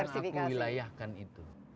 desi sekarang aku wilayahkan itu